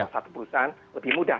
satu perusahaan lebih mudah